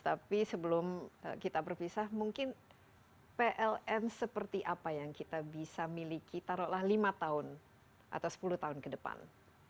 tapi sebelum kita berpisah mungkin pln seperti apa yang kita bisa miliki taruhlah lima tahun atau sepuluh tahun ke depan